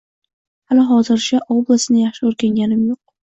— Hali-hozircha, oblastni yaxshi o‘rganganim yo‘q.